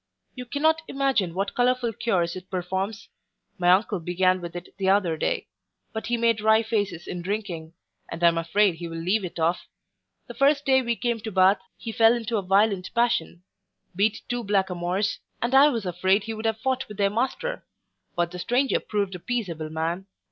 You cannot imagine what wonderful cures it performs My uncle began with it the other day; but he made wry faces in drinking, and I'm afraid he will leave it off The first day we came to Bath, he fell into a violent passion; beat two black a moors, and I was afraid he would have fought with their master; but the stranger proved a peaceable man.